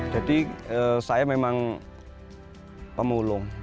jadi saya memang pemulung